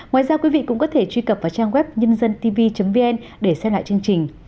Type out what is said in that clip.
ngoài ra quý vị cũng có thể truy cập vào trang web nhândântv vn để xem lại chương trình